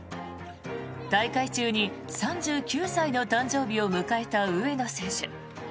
大会中に３９歳の誕生日を迎えた上野選手。